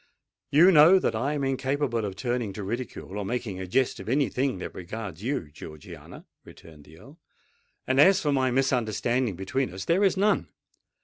"You know that I am incapable of turning to ridicule or making a jest of any thing that regards you, Georgiana," returned the Earl. "And as for any misunderstanding between us, there is none.